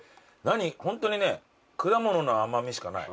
ホントにね果物の甘味しかない。